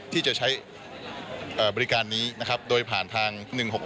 ที่จะใช้บริการนี้นะครับโดยผ่านทาง๑๖๖